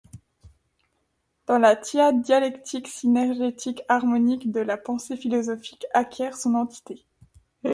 Dans la tiade Dialectique-Synergétique-Harmonique la pensée philosophique acquiert son entité.